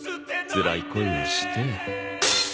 つらい恋をして。